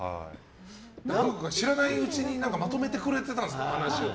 知らないうちにまとめてくれてたんですかね話を。